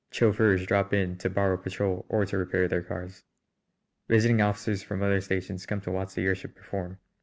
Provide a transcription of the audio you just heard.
Chauffeurs drop in to borrow petrol or to repair their cars; visiting officers from other stations come to watch the airship perform.